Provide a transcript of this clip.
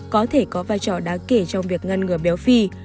có thể có vai trò đáng kể trong việc ngăn ngừa béo phi